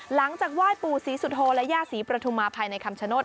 หลังจากไหว้ปู่ศรีสุโธและย่าศรีประธุมาภายในคำชโนธ